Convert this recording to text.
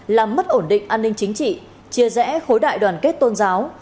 làm mất ổn định an ninh chính trị chia rẽ khối đại đoàn kết tôn giáo